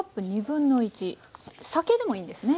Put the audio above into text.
酒でもいいんですね。